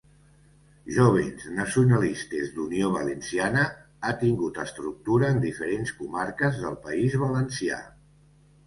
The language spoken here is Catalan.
Jóvens Nacionalistes d'Unió Valenciana ha tingut estructura en diferents comarques del País Valencià.